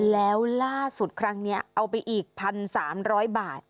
แล้วล่าสุดครั้งนี้เอาไปอีก๑๓๐๐บาท